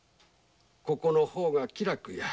ここの方が気楽や。